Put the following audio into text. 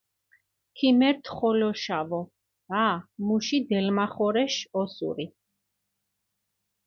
ქიმერთ ხოლოშავო, ა, მუში დელმახორეშ ოსური.